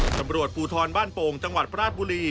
ตำรวจภูทรบ้านโป่งจังหวัดราชบุรี